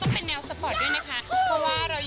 มาในสติมแบบชุดเว้ยน้ำอย่างน่าค่ะ